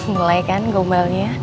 mulai kan gombalnya